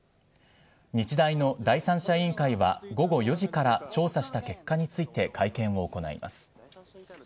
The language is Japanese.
日大の第三者委員会は、午後４時から調査した結果について会見を行います。